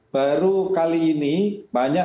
baru kali ini banyak